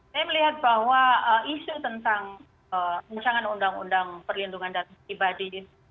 saya melihat bahwa isu tentang pengusangan undang undang perlindungan data tiba di